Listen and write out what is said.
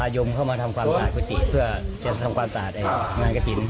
ใช่กระโยคอยู่ตรงนั้นปกติ